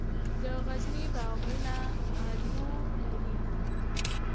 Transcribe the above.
د غزني باغونه الو لري.